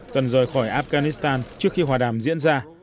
cần rời khỏi afghanistan trước khi hòa đàm diễn ra